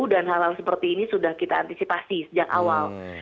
dan hal hal seperti ini sudah kita antisipasi sejak awal